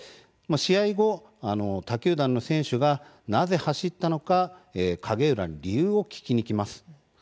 試合後、他球団の選手がなぜ走ったのか景浦に理由を聞きに来ます。